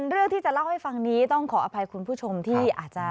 เรื่องที่จะเล่าให้ฟังนี้ต้องขออภัยคุณผู้ชมที่อาจจะ